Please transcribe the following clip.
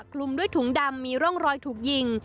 คลุมด้วยถุงดำมีร่องรอยถูกยิง